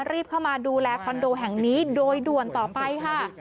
รีบเข้ามาดูแลคอนโดแห่งนี้โดยด่วนต่อไปค่ะ